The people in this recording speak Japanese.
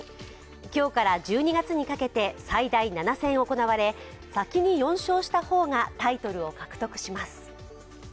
今日から１２月にかけて最大７戦行われ先に４勝した方がタイトルを獲得します。